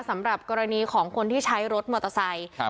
สำหรับกรณีของคนที่ใช้รถมอเตอร์ไซค์ครับ